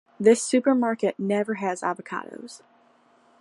This supermarket never has avocados.